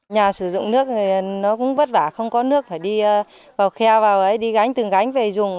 nhà sử dụng nước thì nó cũng vất vả không có nước phải đi vào kheo vào ấy đi gánh từng gánh về dùng